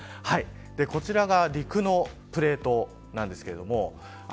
こちらが陸のプレートです。